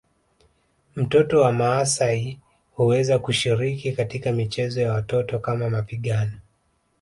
Mtoto wa maasai huweza kushiriki katika michezo ya watoto kama mapigano